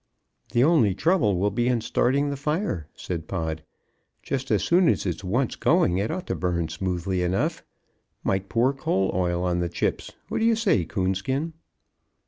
"The only trouble will be in starting the fire," said Pod. "Just as soon as it's once going, it ought to burn smoothly enough might pour coal oil on the chips. What do you say, Coonskin?"